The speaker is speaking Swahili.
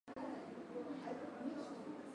Duma ameumia miguu